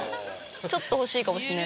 ちょっと欲しいかもしれない。